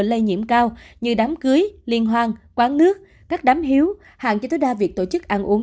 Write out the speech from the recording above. lây nhiễm cao như đám cưới liên hoan quán nước các đám hiếu hạn chế tối đa việc tổ chức ăn uống